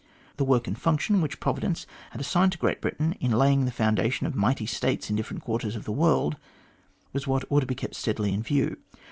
The work and function which Providence had assigned to Great Britain in laying the foundation of mighty States in different quarters of the world, was what ought to be kept steadily in view.